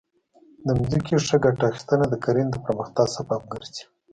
د ځمکې ښه ګټه اخیستنه د کرنې د پرمختګ سبب ګرځي.